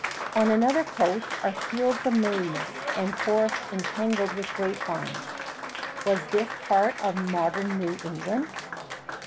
On another coast are fields of maize and forests entangled with grapevines. Was this part of modern New England?